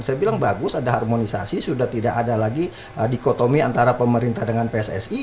saya bilang bagus ada harmonisasi sudah tidak ada lagi dikotomi antara pemerintah dengan pssi